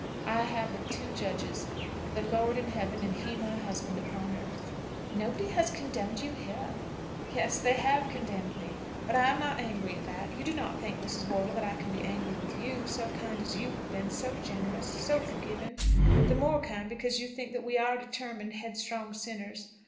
I have but two judges, the Lord in heaven, and he, my husband, upon earth." "Nobody has condemned you here." "Yes; they have condemned me. But I am not angry at that. You do not think, Mrs. Wortle, that I can be angry with you, so kind as you have been, so generous, so forgiving; the more kind because you think that we are determined, headstrong sinners?